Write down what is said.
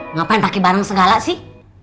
ngapain pakai barang segala sih